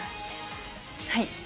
はい。